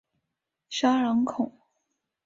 沙朗孔。